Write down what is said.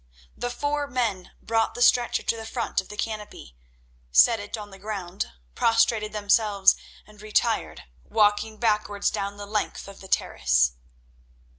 The four men brought the stretcher to the front of the canopy, set it on the ground, prostrated themselves, and retired, walking backwards down the length of the terrace.